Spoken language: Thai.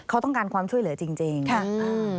เขาต้องการความช่วยเหลือจริง